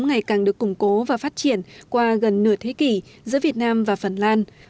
ngày càng được củng cố và phát triển qua gần nửa thế kỷ giữa việt nam và phần lan